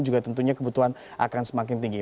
juga tentunya kebutuhan akan semakin tinggi